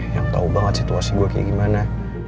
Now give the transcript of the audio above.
yang tahu banget situasi gue kayak gimana